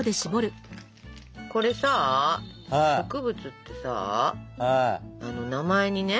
これさ植物ってさ名前にね